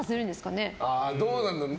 どうなんだろう。